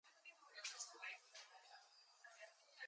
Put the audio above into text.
Again the Phillies lost in four games.